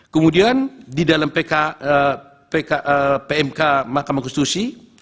kemudian di dalam pmk mahkamah konstitusi